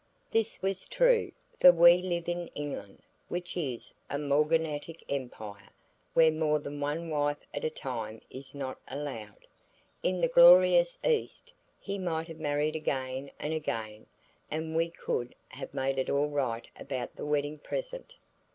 This was true, for we live in England which is a morganatic empire where more than one wife at a time is not allowed. In the glorious East he might have married again and again and we could have made it all right about the wedding present.